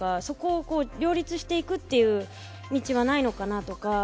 そこを両立していくという道はないのかなとか